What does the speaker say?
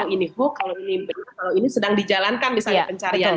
kalau ini hukum kalau ini benar kalau ini sedang dijalankan misalnya pencariannya